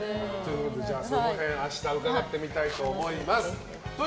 その辺、明日伺ってみたいと思います。